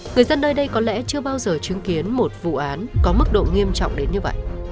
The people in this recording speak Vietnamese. người dân nơi đây có lẽ chưa bao giờ chứng kiến một vụ án có mức độ nghiêm trọng đến như vậy